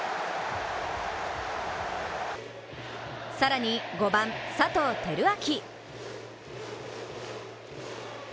更に、５番・佐藤輝明！